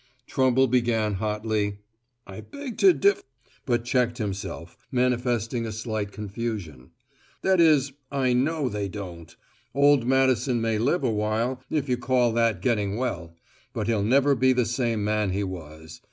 Trumble began hotly: "I beg to dif " but checked himself, manifesting a slight confusion. "That is, I know they don't. Old Madison may live a while, if you call that getting well; but he'll never be the same man he was.